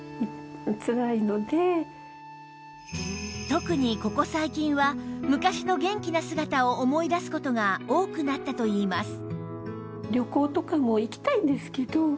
特にここ最近は昔の元気な姿を思い出す事が多くなったといいます